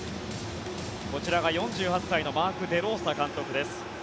こちらが４８歳のマーク・デローサ監督です。